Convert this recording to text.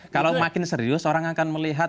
kalau makin serius orang akan melihat